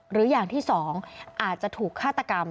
หรืออย่างที่๒อาจจะถูกฆาตกรรม